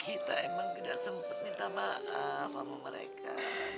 kita emang tidak sempat minta maaf sama mereka